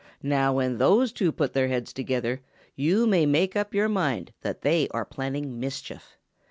Now when these two put their heads together, you may make up your mind that they are planning mischief.